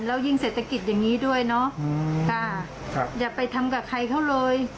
แล้วยิ่งเศรษฐกิจอย่างนี้ด้วยเนาะค่ะอย่าไปทำกับใครเขาเลย